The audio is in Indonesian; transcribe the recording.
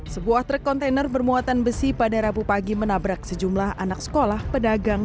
sebuah truk kontainer bermuatan besi pada rabu pagi menabrak sejumlah anak sekolah pedagang